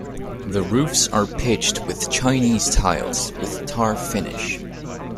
The roofs are pitched with Chinese tiles with tar finish.